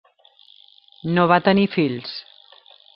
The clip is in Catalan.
No va tenir fills.